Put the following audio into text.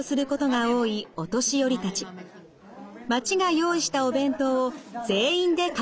町が用意したお弁当を全員で囲みます。